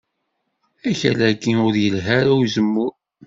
Akal-agi ur yelha ara i uzemmur